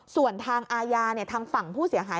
ส่วนทางอาญาทางฝั่งผู้เสียหาย